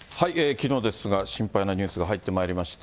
きのうですが、心配なニュースが入ってまいりまして。